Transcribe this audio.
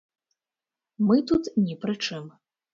Мы тут ні пры чым.